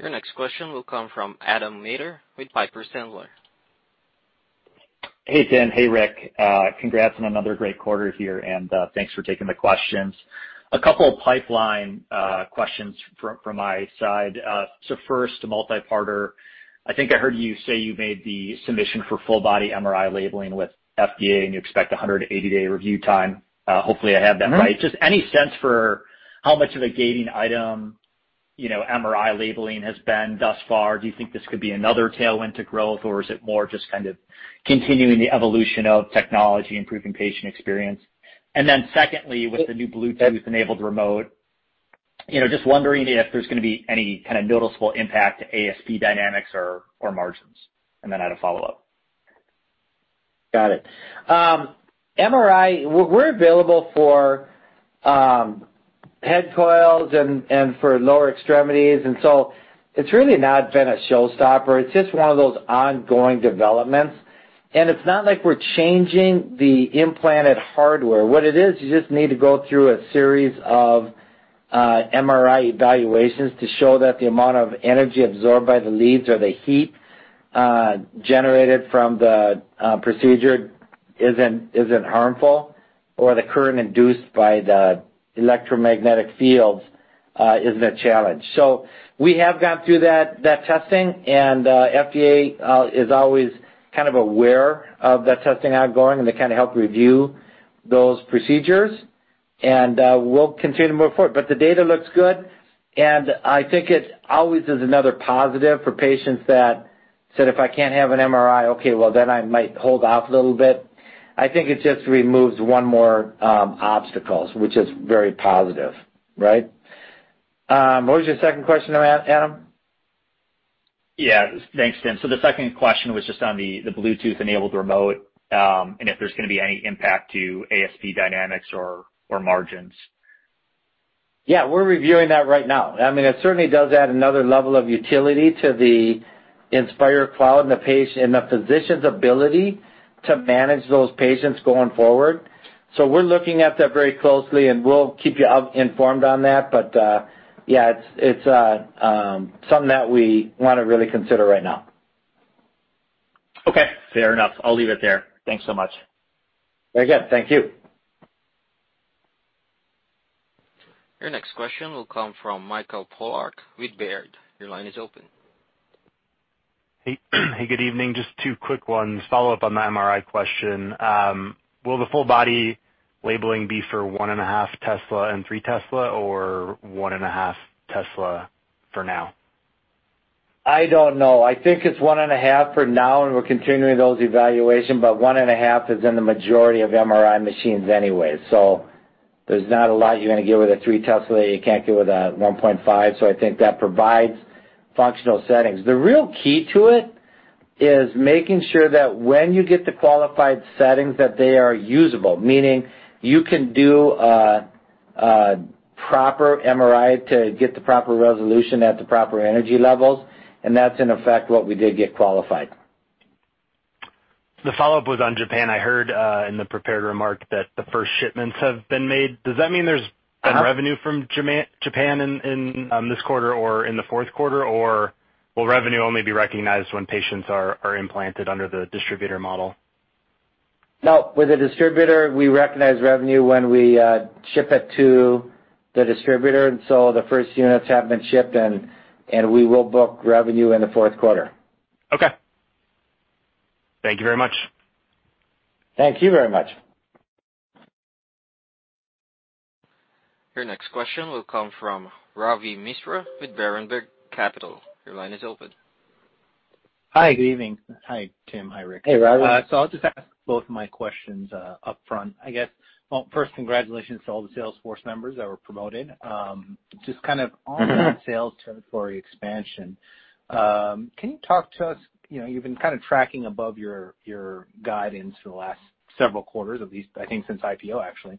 Your next question will come from Adam Maeder with Piper Sandler. Hey, Tim. Hey, Rick. Congrats on another great quarter here, and thanks for taking the questions. A couple of pipeline questions from my side. First, a multi-parter. I think I heard you say you made the submission for full body MRI labeling with FDA, and you expect a 180-day review time. Hopefully, I have that right. Just any sense for how much of a gating item, you know, MRI labeling has been thus far? Do you think this could be another tailwind to growth, or is it more just kind of continuing the evolution of technology, improving patient experience? And then secondly, with the new Bluetooth-enabled remote, you know, just wondering if there's gonna be any kind of noticeable impact to ASP dynamics or margins. And then I had a follow-up. Got it. MRI, we're available for head coils and for lower extremities, and it's really not been a showstopper. It's just one of those ongoing developments. It's not like we're changing the implanted hardware. What it is, you just need to go through a series of MRI evaluations to show that the amount of energy absorbed by the leads or the heat generated from the procedure isn't harmful, or the current induced by the electromagnetic fields isn't a challenge. We have gone through that testing, and FDA is always kind of aware of that testing ongoing, and they kinda help review those procedures. We'll continue to move forward. The data looks good, and I think it always is another positive for patients that said, "If I can't have an MRI, okay, well, then I might hold off a little bit." I think it just removes one more, obstacles, which is very positive, right? What was your second question there, Adam? Yeah. Thanks, Tim. The second question was just on the Bluetooth-enabled remote, and if there's gonna be any impact to ASP dynamics or margins. Yeah, we're reviewing that right now. I mean, it certainly does add another level of utility to the Inspire Cloud and the physician's ability to manage those patients going forward. We're looking at that very closely, and we'll keep you informed on that. Yeah, it's something that we wanna really consider right now. Okay, fair enough. I'll leave it there. Thanks so much. Very good. Thank you. Your next question will come from Mike Polark with Baird. Your line is open. Hey. Good evening. Just two quick ones. Follow-up on the MRI question. Will the full body labeling be for 1.5 Tesla and 3 Tesla or 1.5 Tesla for now? I don't know. I think it's 1.5 for now, and we're continuing those evaluation. One and a half is in the majority of MRI machines anyway. There's not a lot you're gonna get with a 3 Tesla that you can't get with a 1.5. I think that provides functional settings. The real key to it is making sure that when you get the qualified settings that they are usable. Meaning, you can do a proper MRI to get the proper resolution at the proper energy levels, and that's in effect what we did get qualified. The follow-up was on Japan. I heard, in the prepared remark that the first shipments have been made. Does that mean there's- Any revenue from Japan in this quarter or in the fourth quarter, or will revenue only be recognized when patients are implanted under the distributor model? No. With the distributor, we recognize revenue when we ship it to the distributor. The first units have been shipped, and we will book revenue in the fourth quarter. Okay. Thank you very much. Thank you very much. Your next question will come from Ravi Misra with Berenberg Capital. Your line is open. Hi. Good evening. Hi, Tim. Hi, Rick. Hey, Ravi. I'll just ask both my questions upfront, I guess. Well, first, congratulations to all the sales force members that were promoted. On that sales territory expansion, can you talk to us, you know, you've been kinda tracking above your guidance for the last several quarters, at least, I think, since IPO, actually.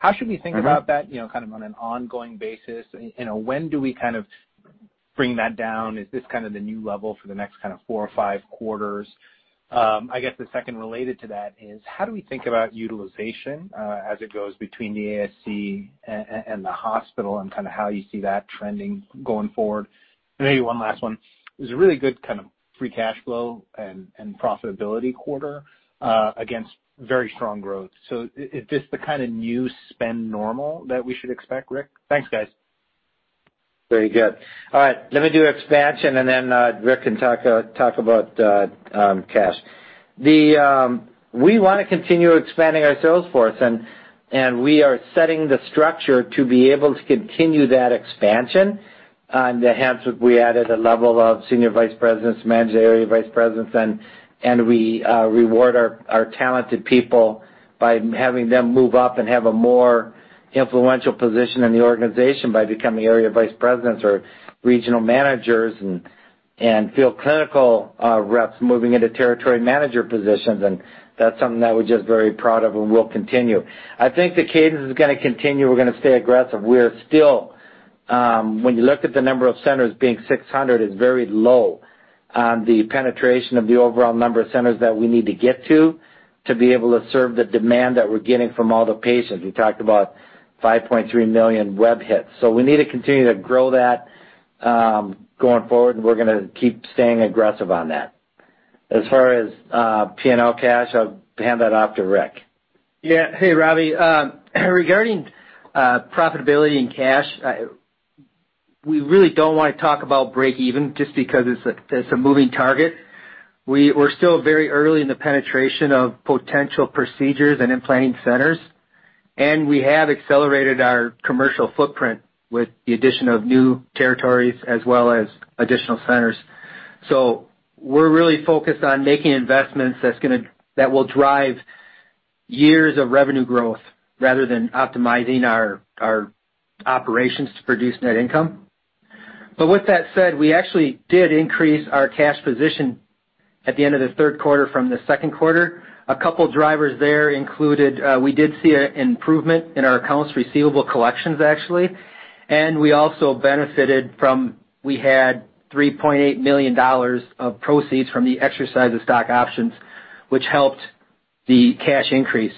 How should we think about- That, you know, kind of on an ongoing basis? When do we kind of bring that down? Is this kind of the new level for the next kind of four or five quarters? I guess the second related to that is how do we think about utilization as it goes between the ASC and the hospital and kind of how you see that trending going forward? Maybe one last one. It was a really good kind of free cash flow and profitability quarter against very strong growth. Is this the kinda new normal that we should expect, Rick? Thanks, guys. Very good. All right. Let me do expansion, and then Rick can talk about cash. We wanna continue expanding our sales force, and we are setting the structure to be able to continue that expansion. Hence, we added a level of senior vice presidents, managing area vice presidents, and we reward our talented people by having them move up and have a more influential position in the organization by becoming area vice presidents or regional managers and field clinical reps moving into territory manager positions. That's something that we're just very proud of and will continue. I think the cadence is gonna continue. We're gonna stay aggressive. We're still, when you look at the number of centers, being 600 is very low on the penetration of the overall number of centers that we need to get to be able to serve the demand that we're getting from all the patients. We talked about 5.3 million web hits. We need to continue to grow that, going forward, and we're gonna keep staying aggressive on that. As far as, P&L cash, I'll hand that off to Rick. Yeah. Hey, Ravi. Regarding profitability and cash, we really don't wanna talk about break even just because it's a moving target. We're still very early in the penetration of potential procedures and implanting centers, and we have accelerated our commercial footprint with the addition of new territories as well as additional centers. We're really focused on making investments that will drive years of revenue growth rather than optimizing our operations to produce net income. With that said, we actually did increase our cash position at the end of the third quarter from the second quarter. A couple drivers there included, we did see an improvement in our accounts receivable collections, actually, and we also benefited from. We had $3.8 million of proceeds from the exercise of stock options, which helped the cash increase.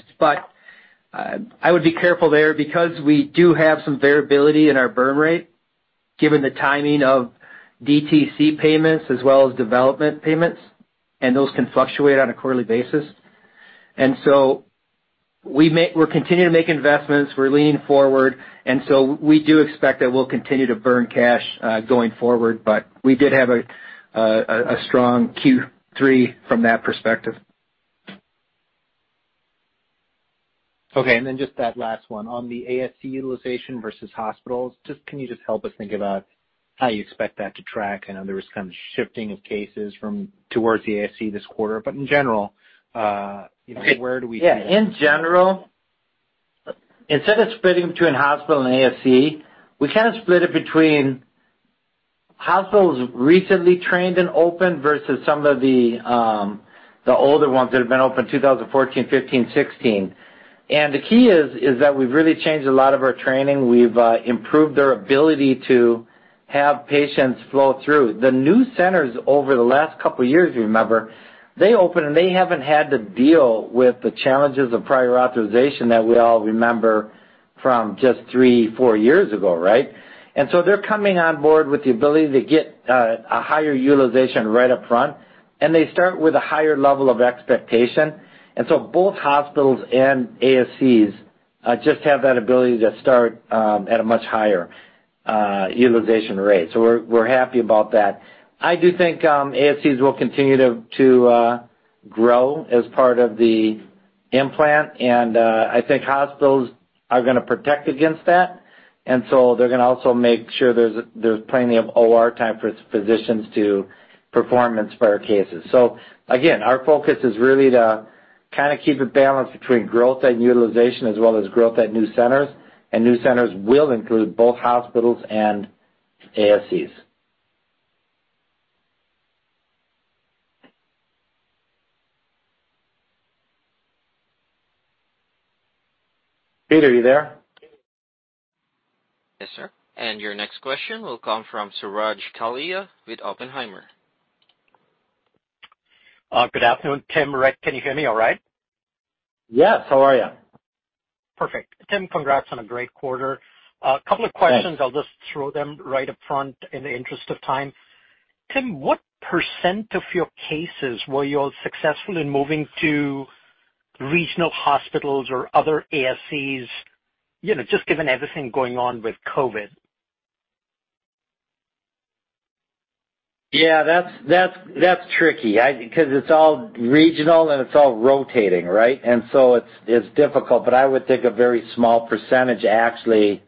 I would be careful there because we do have some variability in our burn rate, given the timing of DTC payments as well as development payments, and those can fluctuate on a quarterly basis. We're continuing to make investments. We're leaning forward, and so we do expect that we'll continue to burn cash, going forward, but we did have a strong Q3 from that perspective. Okay. Just that last one. On the ASC utilization versus hospitals, can you just help us think about how you expect that to track? I know there was kind of shifting of cases towards the ASC this quarter, but in general, you know, where do we see that? Yeah. In general, instead of splitting between hospital and ASC, we kind of split it between hospitals recently trained and opened versus some of the older ones that have been opened 2014, 2015, 2016. The key is that we've really changed a lot of our training. We've improved their ability to have patients flow through. The new centers over the last couple years, remember, they opened, and they haven't had to deal with the challenges of prior authorization that we all remember from just three, four years ago, right? They're coming on board with the ability to get a higher utilization right up front, and they start with a higher level of expectation. Both hospitals and ASCs just have that ability to start at a much higher utilization rate. We're happy about that. I do think ASCs will continue to grow as part of the implant. I think hospitals are gonna protect against that. They're gonna also make sure there's plenty of OR time for physicians to perform Inspire cases. Again, our focus is really to kinda keep it balanced between growth and utilization as well as growth at new centers, and new centers will include both hospitals and ASCs. Peter, are you there? Yes, sir. Your next question will come from Suraj Kalia with Oppenheimer. Good afternoon, Tim, Rick. Can you hear me all right? Yes. How are you? Perfect. Tim, congrats on a great quarter. Couple of questions. Thanks. I'll just throw them right up front in the interest of time. Tim, what % of your cases were you successful in moving to regional hospitals or other ASCs, you know, just given everything going on with COVID? Yeah, that's tricky. 'Cause it's all regional, and it's all rotating, right? It's difficult, but I would think a very small percentage actually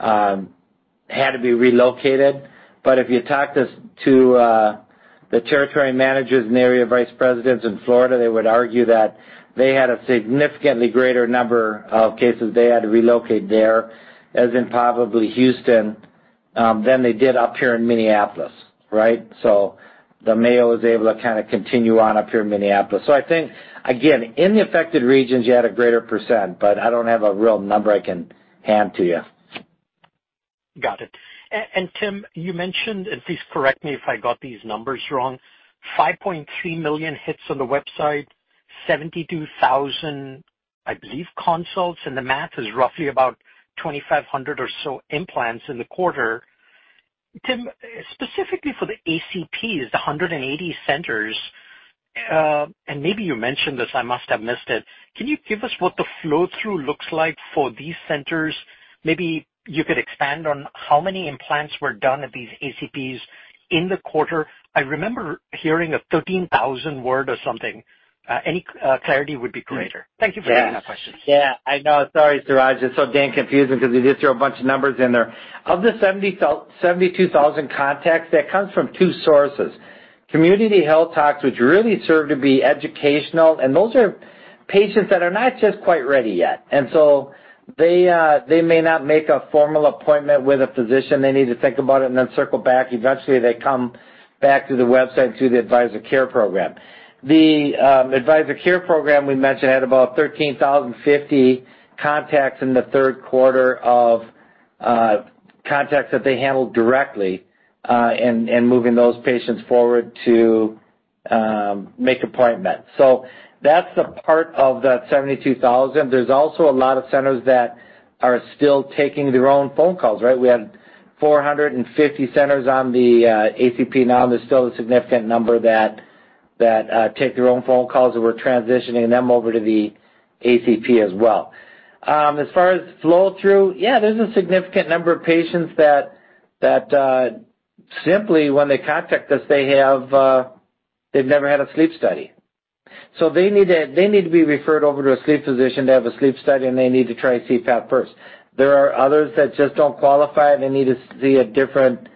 had to be relocated. But if you talked to the territory managers and area vice presidents in Florida, they would argue that they had a significantly greater number of cases they had to relocate there, as in probably Houston, than they did up here in Minneapolis. Right? The Mayo is able to kind of continue on up here in Minneapolis. I think again, in the affected regions, you had a greater percent, but I don't have a real number I can hand to you. Got it. Tim, you mentioned, and please correct me if I got these numbers wrong, 5.3 million hits on the website, 72,000, I believe, consults, and the math is roughly about 2,500 or so implants in the quarter. Tim, specifically for the ACPs, the 180 centers, and maybe you mentioned this, I must have missed it. Can you give us what the flow-through looks like for these centers? Maybe you could expand on how many implants were done at these ACPs in the quarter. I remember hearing 13,000 worldwide or something. Any clarity would be great. Thank you for taking my question. Yeah. Yeah, I know. Sorry, Suraj. It's so damn confusing because we did throw a bunch of numbers in there. Of the 72,000 contacts, that comes from two sources. Community Health Talks, which really serve to be educational, and those are patients that are not just quite ready yet. They may not make a formal appointment with a physician. They need to think about it and then circle back. Eventually, they come back to the website through the AdvisorCare program. The AdvisorCare program we mentioned had about 13,050 contacts in the third quarter of contacts that they handled directly, and moving those patients forward to make appointments. So that's the part of that 72,000. There's also a lot of centers that are still taking their own phone calls, right? We have 450 centers on the ACP now. There's still a significant number that take their own phone calls, and we're transitioning them over to the ACP as well. As far as flow through, there's a significant number of patients that simply when they contact us, they've never had a sleep study. They need to be referred over to a sleep physician to have a sleep study, and they need to try CPAP first. There are others that just don't qualify, and they need to see a different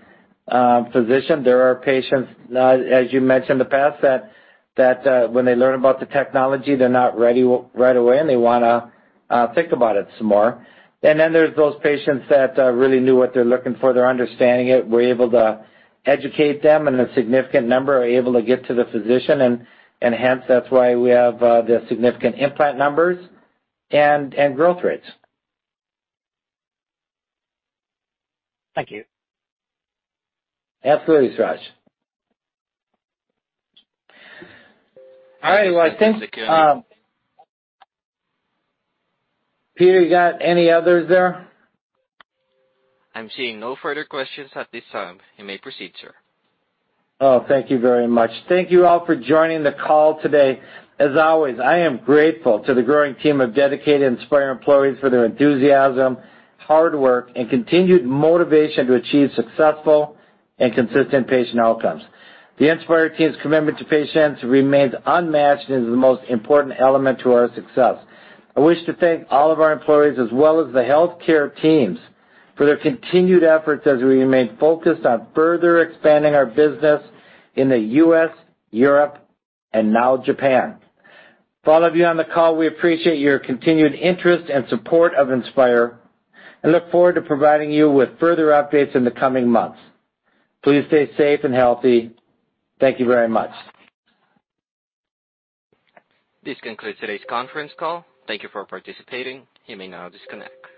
physician. There are patients, as you mentioned in the past, that when they learn about the technology, they're not ready right away and they wanna think about it some more. There's those patients that really knew what they're looking for. They're understanding it. We're able to educate them, and a significant number are able to get to the physician and hence that's why we have the significant implant numbers and growth rates. Thank you. Absolutely, Suraj. All right. Well, I think, Peter, you got any others there? I'm seeing no further questions at this time. You may proceed, sir. Oh, thank you very much. Thank you all for joining the call today. As always, I am grateful to the growing team of dedicated Inspire employees for their enthusiasm, hard work, and continued motivation to achieve successful and consistent patient outcomes. The Inspire team's commitment to patients remains unmatched and is the most important element to our success. I wish to thank all of our employees as well as the healthcare teams for their continued efforts as we remain focused on further expanding our business in the U.S., Europe, and now Japan. For all of you on the call, we appreciate your continued interest and support of Inspire and look forward to providing you with further updates in the coming months. Please stay safe and healthy. Thank you very much. This concludes today's conference call. Thank you for participating. You may now disconnect.